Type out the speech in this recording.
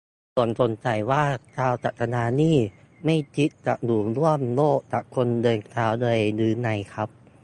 ผมสงสัยว่าชาวจักรยานนี่ไม่คิดจะอยู่ร่วมโลกกับคนเดินเท้าเลยหรือไงครับ